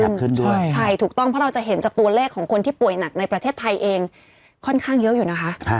ด้วยใช่ถูกต้องเพราะเราจะเห็นจากตัวเลขของคนที่ป่วยหนักในประเทศไทยเองค่อนข้างเยอะอยู่นะคะ